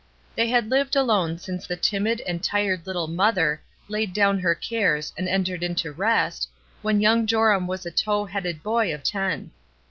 They had lived alone since the timid and tired Uttle mother laid down her cares and entered into rest, when young Joram was a tow headed boy of ten.